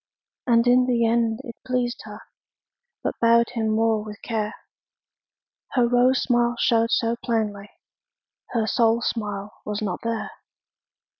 And in the end it pleased her, But bowed him more with care. Her rose smile showed so plainly, Her soul smile was not there.